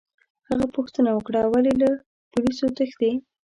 هغه پوښتنه وکړه: ولي، له پولیسو تښتې؟